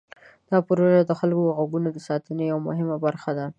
دا پروژه د خلکو د غږونو د ساتنې یوه مهمه برخه ده.